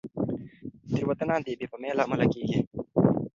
تېروتنه د بې پامۍ له امله کېږي.